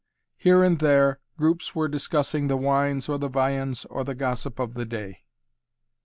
Here and there groups were discussing the wines or the viands or the gossip of the day.